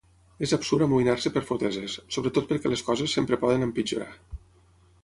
És absurd amoïnar-se per foteses, sobretot perquè les coses sempre poden empitjorar.